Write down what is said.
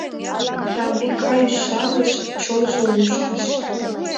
Ямбика ӱшаныш, чонжо лушкыш.